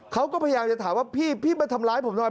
เขาก็พยายามจะถามว่า